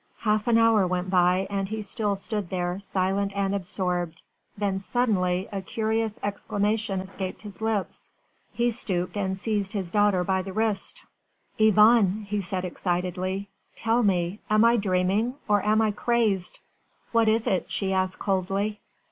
Half an hour went by and he still stood there, silent and absorbed: then suddenly a curious exclamation escaped his lips: he stooped and seized his daughter by the wrist. "Yvonne!" he said excitedly, "tell me! am I dreaming, or am I crazed?" "What is it?" she asked coldly.